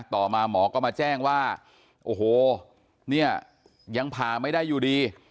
ต่อมาหมอก็มาแจ้งว่าโอ้โหเนี่ยยังผ่าไม่ได้อยู่ดี